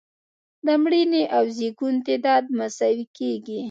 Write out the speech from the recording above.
د مړینې او زیږون تعداد مساوي کیږي.